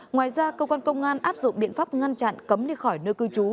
ngoài ra cơ quan công an áp dụng biện pháp ngăn chặn cấm đi khỏi nơi cư trú